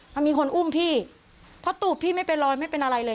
มันมีคนอุ้มพี่เพราะตูบพี่ไม่เป็นรอยไม่เป็นอะไรเลย